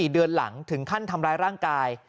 ๔เดือนหลังถึงขั้นทำร้ายร่างกาย